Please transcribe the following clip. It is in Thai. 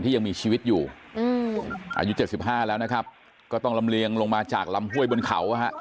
ยังมีชีวิตอยู่อายุ๗๕แล้วนะครับก็ต้องลำเลียงลงมาจากลำห้วยบนเขา